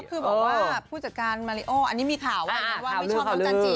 คือบอกว่าผู้จัดการมาริโออันนี้มีข่าวว่าไม่ชอบน้องจันจิ